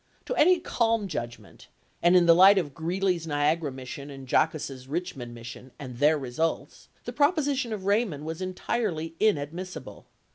To any calm judgment, and in the light of Greeley's Niagara mission and Jaquess's Richmond mission and their results, the proposi tion of Raymond was entirely inadmissible.